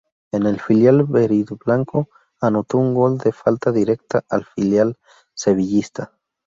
En el filial verdiblanco anotó un gol de falta directa al filial sevillista.